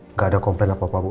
nggak ada komplain apa apa